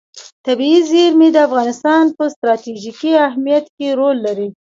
طبیعي زیرمې د افغانستان په ستراتیژیک اهمیت کې رول لري.